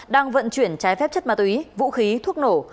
đang vận chuyển trái phép chất ma túy vũ khí thuốc nổ